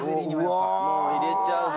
もう入れちゃうの？